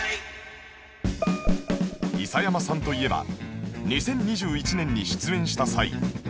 伊佐山さんといえば２０２１年に出演した際